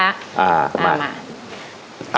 อ่ามา